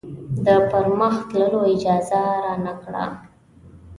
د پر مخ تللو اجازه رانه کړه.